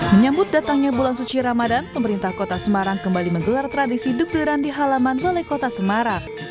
menyambut datangnya bulan suci ramadan pemerintah kota semarang kembali menggelar tradisi deburan di halaman balai kota semarang